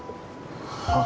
はあ？